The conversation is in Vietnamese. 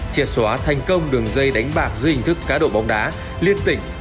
triệt xóa thành công đường dây đánh bạc dưới hình thức cá độ bóng đá liên tỉnh